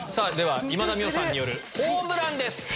今田美桜さんによるホームランです。